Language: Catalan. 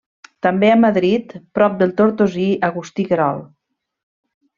També a Madrid, prop del tortosí Agustí Querol.